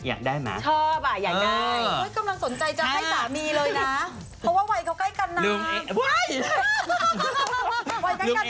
ชอบอ่ะอยากได้กำลังสนใจจะให้สามีเลยนะเพราะว่าวัยเขาใกล้กันน้ำ